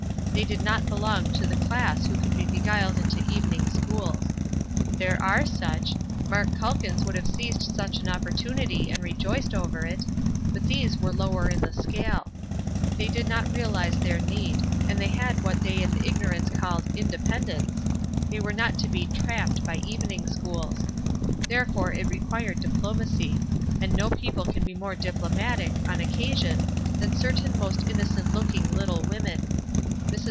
They did not belong to the class who can be beguiled into evening schools. There are such; Mark Calkins would have seized such an opportunity and rejoiced over it, but these were lower in the scale; they did not realize their need, and they had what they in ignorance called "independence"; they were not to be "trapped" by evening schools. Therefore it required diplomacy; and no people can be more diplomatic, on occasion, than certain most innocent looking little women. Mrs.